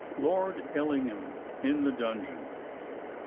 LORD ELLINGHAM IN THE DUNGEON.